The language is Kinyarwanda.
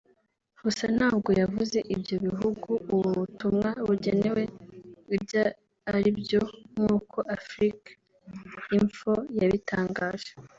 Gusa ntabwo yavuze ibyo bihugu ubu butumwa bugenewe ibyo aribyo nk’ uko Afrique info yabitangaje